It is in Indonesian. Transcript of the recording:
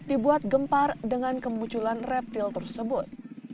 dibuat gempar dengan kemunculan reptil tersebut